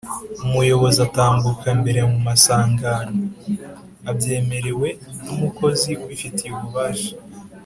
Nizihe mpamvu zatuma umuyobozi atambuka mbere mumasangano ? abyemerewe n’umukozi ubifitiye ububasha